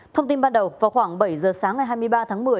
thông tin ban đầu vào khoảng bảy giờ sáng ngày hai mươi ba tháng một mươi